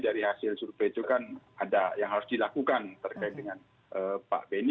dari hasil survei itu kan ada yang harus dilakukan terkait dengan pak benny